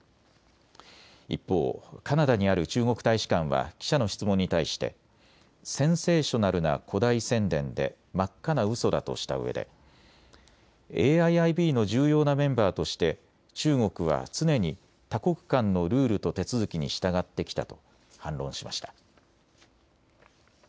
一方、カナダにある中国大使館は記者の質問に対してセンセーショナルな誇大宣伝で真っ赤なうそだとしたうえでＡＩＩＢの重要なメンバーとして中国は常に多国間のルールと手続きに従ってきたと反論しました。